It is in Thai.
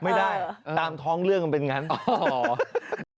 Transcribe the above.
ไม่ได้ตามท้องเรื่องมันเป็นงั้น